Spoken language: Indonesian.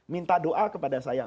minta doa kepada saya